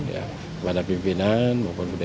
ya kepada pimpinan